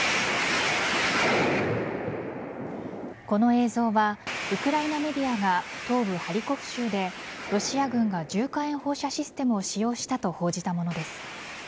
この映像はウクライナメディアが東部・ハリコフ州でロシア軍が重火炎放射システムを使用したと報じたものです。